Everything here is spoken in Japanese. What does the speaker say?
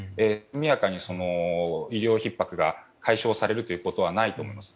速やかに医療ひっ迫が解消されるということはないと思います。